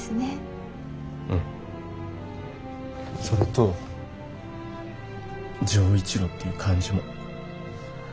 それと錠一郎っていう漢字も。